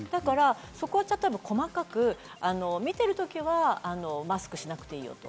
そこは細かく、見ている時はマスクをしなくていいよと。